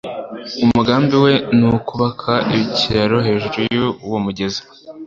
Umugambi we ni ukubaka ikiraro hejuru yuwo mugezi.